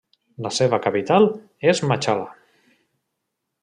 La seva capital és Machala.